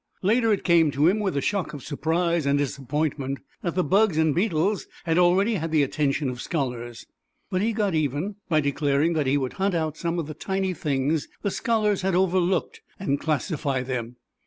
Later it came to him with a shock of surprise and disappointment that the bugs and beetles had already had the attention of scholars. But he got even by declaring that he would hunt out some of the tiny things the scholars had overlooked and classify them.